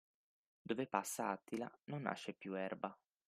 Dove passa Attila non nasce più erba.